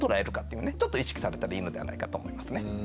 ちょっと意識されたらいいのではないかと思いますね。